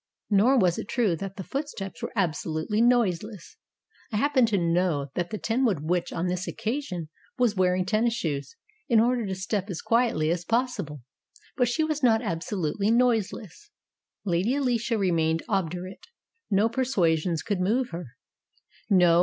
Nor was it true that the foot steps were absolutely noiseless. I happen to know that the Tenwood Witch on this occasion was wearing tennis shoes, in order to step as quietly as possible, but she was not absolutely noiseless. Lady Alicia remained obdurate. No persuasions could move her.